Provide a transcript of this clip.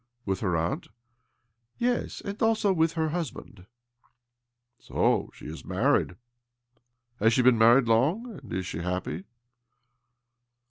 " With her aunt ?"" Yes— and also with her husband." " So she is married ? Has she been mar ried long? And is she happy?"